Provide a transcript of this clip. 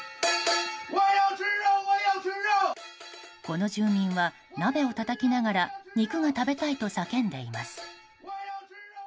この住民は鍋をたたきながら肉が食べたいと叫んでいます。